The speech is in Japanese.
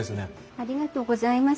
ありがとうございます。